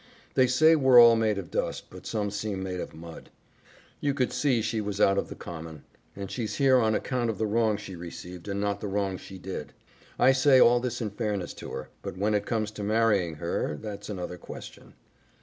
They say we're all made of dust, but some seem made of mud. You could see she was out of the common; and she's here on account of the wrong she received and not the wrong she did. I say all this in fairness to her; but when it comes to marrying her, that's another question."